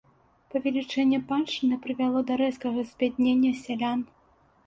Павелічэнне паншчыны прывяло да рэзкага збяднення сялян.